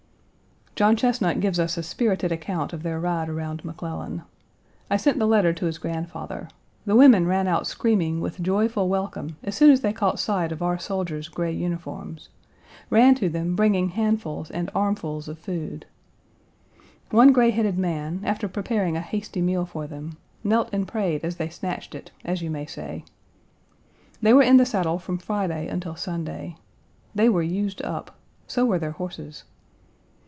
John Chesnut gives us a spirited account of their ride around McClellan. I sent the letter to his grandfather. The women ran out screaming with joyful welcome as soon as they caught sight of our soldiers' gray uniforms; ran to them bringing handfuls and armfuls of, food. One gray headed man, after preparing a hasty meal for them, knelt and prayed as they snatched it, as you may say. They were in the saddle from Friday until Sunday. They were used up; so were their horses.